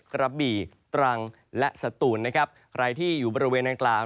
กระบี่ตรังและสตูนนะครับใครที่อยู่บริเวณนางกล่าว